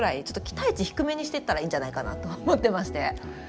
ちょっと期待値低めにしてったらいいんじゃないかなと思ってまして。